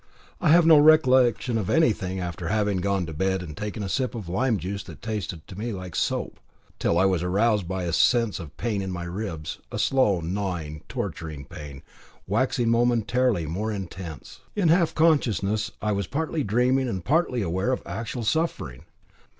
I have no recollection of anything after having gone to bed and taken a sip of lime juice that tasted to me like soap till I was roused by a sense of pain in my ribs a slow, gnawing, torturing pain, waxing momentarily more intense. In half consciousness I was partly dreaming and partly aware of actual suffering.